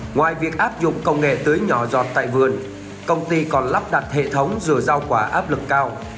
ngoài việc áp dụng công nghệ tưới nhỏ giọt tại vườn công ty còn lắp đặt hệ thống rồi rau quả áp lực cao